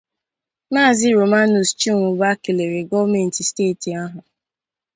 Maazị Romanus Chinwụba kèlèrè gọọmenti steeti ahụ